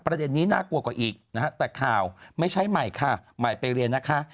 ประเด็นนี้น่ากลัวกว่าอีกนะฮะแต่ข่าวไม่ใช่ใหม่ค่ะใหม่ไปเรียนนะคะ